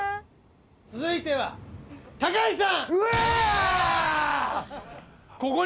続いては高橋さんうわ！